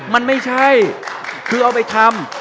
มันไม่ใช่คือเอาไปทำ